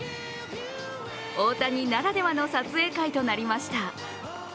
大谷ならではの撮影会となりました。